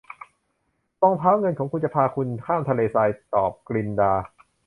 รองเท้าเงินของคุณจะพาคุณข้ามทะเลทรายตอบกลินดา